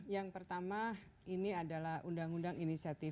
yang pertama ini adalah undang undang inisiatif